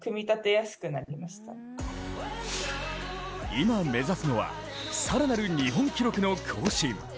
今、目指すのは更なる日本記録の更新。